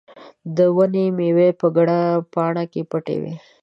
د ونې مېوې په ګڼه پاڼه کې پټې وې.